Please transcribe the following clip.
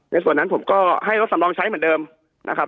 ในส่วนนั้นผมก็ให้รถสำรองใช้เหมือนเดิมนะครับ